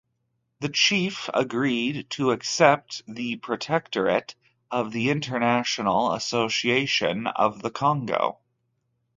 The chief agreed to accept the protectorate of the International Association of the Congo.